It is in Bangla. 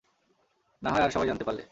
নাহয় আর-সবাই জানতে পারলে।